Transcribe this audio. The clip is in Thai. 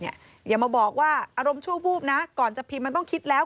อย่ามาบอกว่าอารมณ์ชั่ววูบนะก่อนจะพิมพ์มันต้องคิดแล้ว